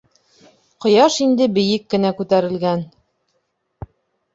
Ҡояш инде бейек кенә күтәрелгән.